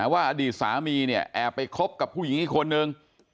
อดีตสามีเนี่ยแอบไปคบกับผู้หญิงอีกคนนึง